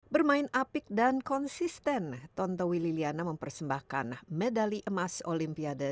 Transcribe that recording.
bermain apik dan konsisten tontowi liliana mempersembahkan medali emas olimpiade